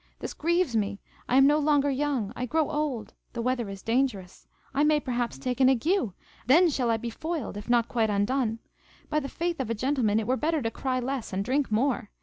This grieves me. I am no longer young, I grow old, the weather is dangerous; I may perhaps take an ague, then shall I be foiled, if not quite undone. By the faith of a gentleman, it were better to cry less, and drink more.